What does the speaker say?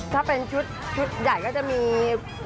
ถ้าเป็นชุดใหญ่ก็จะมี